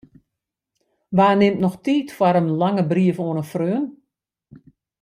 Wa nimt noch tiid foar in lange brief oan in freon?